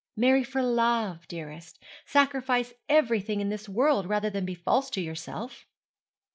'Marry for love, dearest. Sacrifice everything in this world rather than be false to yourself.'